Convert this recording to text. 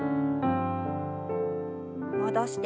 戻して。